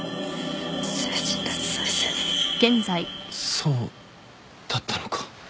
そうだったのか。